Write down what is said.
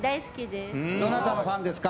どなたのファンですか？